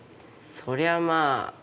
そりゃまあ。